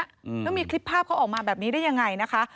แล้วมีคลิปภาพเขาออกมาแบบนี้ได้ยังไงนะคะ